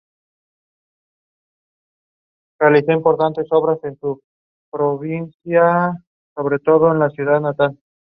Aparece en Argentina, Brasil, Paraguay y Uruguay.